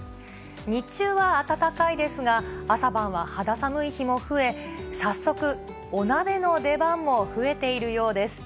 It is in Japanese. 日中は暖かいですが、朝晩は肌寒い日も増え、早速、お鍋の出番も増えているようです。